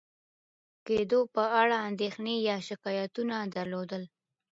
کېدو په اړه اندېښنې یا شکایتونه درلودل،